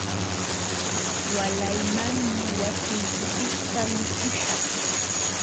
Waalaymanmi wasiykipiqta likuśhaq.